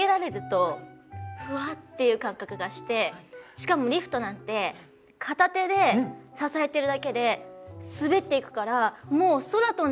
しかもリフトなんて片手で支えてるだけで滑っていくからもう。